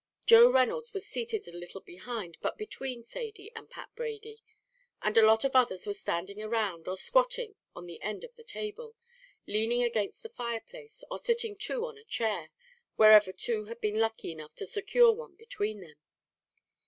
Joe Reynolds was seated a little behind, but between Thady and Pat Brady; and a lot of others were standing around, or squatting on the end of the table leaning against the fireplace, or sitting two on a chair, wherever two had been lucky enough to secure one between them.